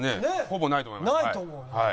ほぼないと思います。